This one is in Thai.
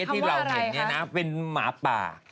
ที่เราเห็นเป็นหมาป่า